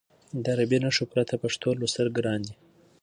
د عربي نښو پرته پښتو لوستل ګران دي.